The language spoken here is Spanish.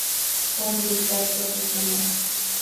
Fue militar profesional.